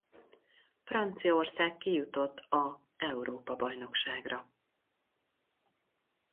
Franciaország kijutott a Európa-bajnokságra.